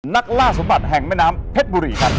นักล่าสมบัติแห่งแม่น้ำเพชรบุรีครับ